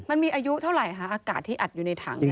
มันมีอายุเท่าไหร่คะอากาศที่อัดอยู่ในถัง